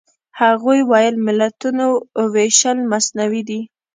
هغوی ویل ملتونو وېشل مصنوعي دي.